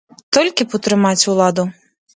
Толькі б утрымаць уладу.